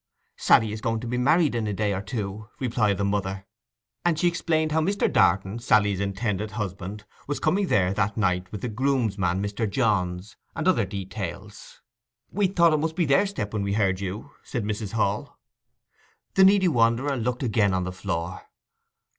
'Sally is going to be married in a day or two,' replied the mother; and she explained how Mr. Darton, Sally's intended husband, was coming there that night with the groomsman, Mr. Johns, and other details. 'We thought it must be their step when we heard you,' said Mrs. Hall. The needy wanderer looked again on the floor.